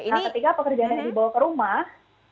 nah ketika pekerjaannya dibawa ke rumah